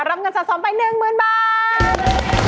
รับเงินสะสมไป๑๐๐๐บาท